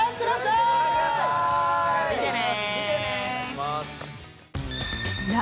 見てね。